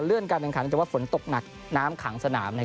การแข่งขันแต่ว่าฝนตกหนักน้ำขังสนาม